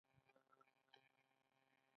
ایا مصنوعي ځیرکتیا د فکري سستۍ لامل نه ګرځي؟